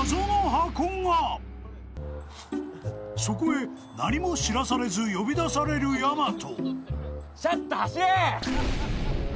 ［そこへ何も知らされず呼び出されるやまと］